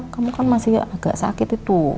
kamu kan masih agak sakit itu